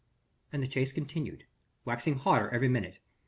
And the chase continued waxing hotter every minute.